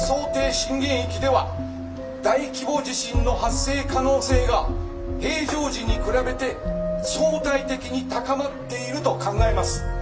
震源域では大規模地震の発生可能性が平常時に比べて相対的に高まっていると考えます。